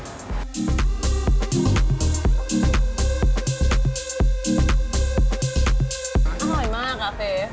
อร่อยมากอะเฟส